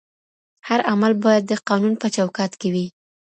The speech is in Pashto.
هر عمل بايد د قانون په چوکاټ کي وي.